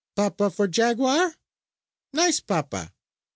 Papa for jaguar? Nice papa!"